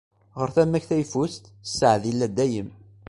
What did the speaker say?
Ɣer tama-k tayeffust, sseɛd illa i dayem.